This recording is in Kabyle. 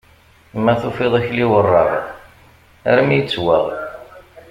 Ma tufiḍ akli werreɣ, armi ittwaɣ.